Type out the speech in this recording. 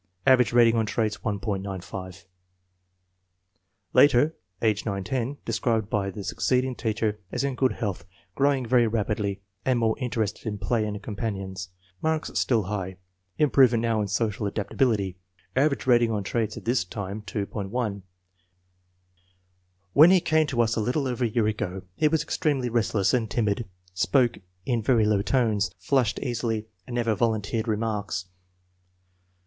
Average rating on traits, 1.95. Later, age 9 10. Described by the succeeding teacher as in good health, growing very rapidly and more interested in play and companions. Marks still high. Improvement now in social adaptability. Average rating on traits at this time, 2.10. " When he came to us a little over a year ago he was ex tremely restless and timid; spoke in very low tones, flushed easily, and never volunteered remarks.